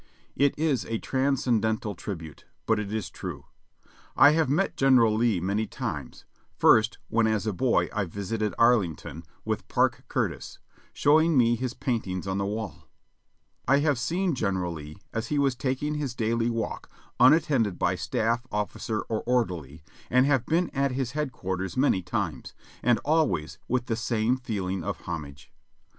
It is a transcendental tribute, but it is true. I have met Gen eral Lee many times ; first when as a boy I visited Arlington, with Parke Custis, showing me his paintings on the wall ; I have seen General Lee as he was taking his daily walk unattended by staff officer or orderly, and have been at his headquarters many times, and always with the same feeling of homage.